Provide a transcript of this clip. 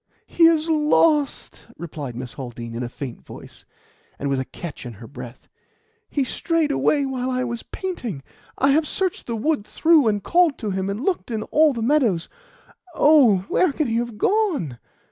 "He is lost!" replied Miss Haldean in a faint voice, and with a catch in her breath. "He strayed away while I was painting. I have searched the wood through, and called to him, and looked in all the meadows. Oh! where can he have gone?"